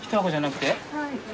はい。